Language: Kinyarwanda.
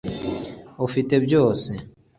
ufite byose